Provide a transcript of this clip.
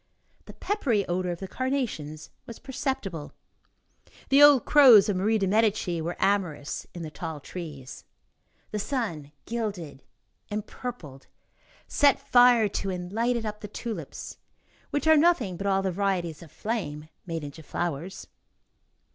The peppery odor of the carnations was perceptible. The old crows of Marie de Medici were amorous in the tall trees. The sun gilded, empurpled, set fire to and lighted up the tulips, which are nothing but all the varieties of flame made into flowers.